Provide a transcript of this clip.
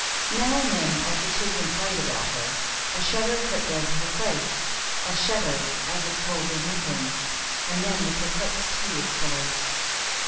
Now and then, as the children played about her, a shadow crept over her face a shadow as of cold remembrance and then the perplexed tears followed.